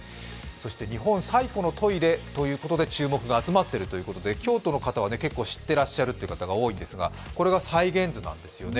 そして日本最古のトイレということで注目が集まっているということで京都の方は結構、知ってらっしゃるという方が多いんですがこれが再現図なんですよね。